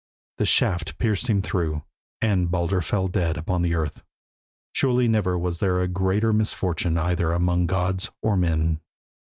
The shaft pierced him through, and Baldur fell dead upon the earth. Surely never was there a greater misfortune either among gods or men.